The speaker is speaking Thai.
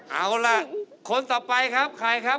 เอาล่ะคนต่อไปครับใครครับ